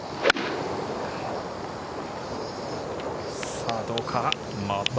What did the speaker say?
さぁ、どうか？